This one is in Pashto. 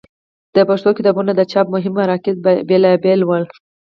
د پښتو کتابونو د چاپ مهم مراکز بېلابېل ول.